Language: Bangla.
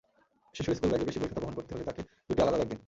শিশুর স্কুলব্যাগে বেশি বইখাতা বহন করতে হলে তাকে দুটি আলাদা ব্যাগ দিন।